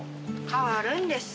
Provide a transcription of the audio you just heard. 変わるんです。